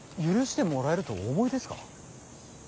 許してもらえるとお思いですか。